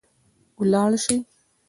ولاړ سئ